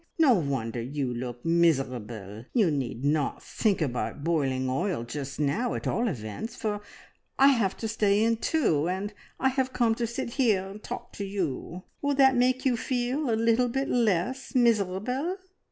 No wonder you look miserable! You need not think about boiling oil just now at all events, for I have to stay in too, and I have come to sit here and talk to you. Will that make you feel a little bit less miserable?"